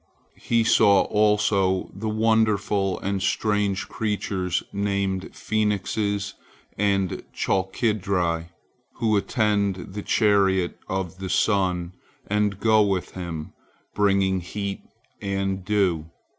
He saw also the wonderful and strange creatures named phoenixes and chalkidri, who attend the chariot of the sun, and go with him, bringing heat and dew.